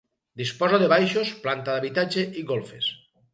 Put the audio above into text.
Disposa de baixos, planta d'habitatge i golfes.